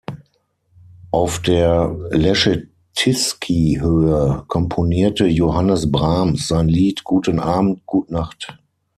Auf der "Leschetizky-Höhe" komponierte Johannes Brahms sein Lied „Guten Abend, gut’ Nacht“.